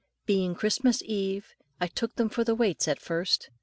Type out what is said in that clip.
Being Christmas eve, I took them for the waits at first.